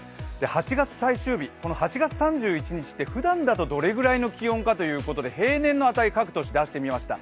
８月最終日、８月３１日ってふだんだとどれくらいの気温かというと、平年の値を各都市で出してみました。